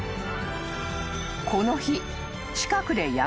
［この日］